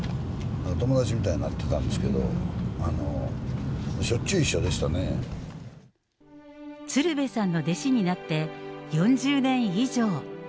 友達みたいになってたんですけど、鶴瓶さんの弟子になって４０年以上。